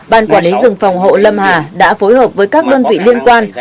ban quản lý rừng phòng hộ lâm hà đã phối hợp với các đơn vị liên quan